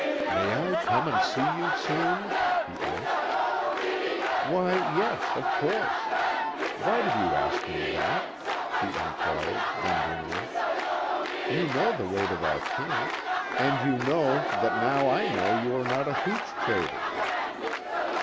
"May I come and see you, soon?" he asked. "Why, yes, of course! Why did you ask me that?" she inquired, wonderingly, "You know the way to our camp, and you know that now I know you are not a hooch trader."